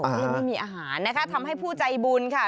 ไม่มีอาหารนะคะทำให้ผู้ใจบุญค่ะ